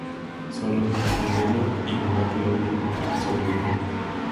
Sólo Jimeno y McLoughlin sobrevivieron.